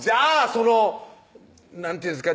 その何て言うんですか